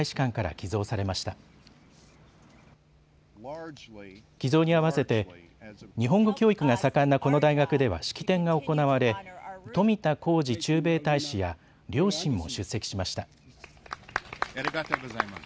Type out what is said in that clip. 寄贈に合わせて日本語教育が盛んなこの大学では式典が行われ冨田浩司駐米大使や両親も出席しました。